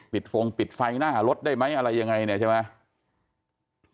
ฟงปิดไฟหน้ารถได้ไหมอะไรยังไงเนี่ยใช่ไหม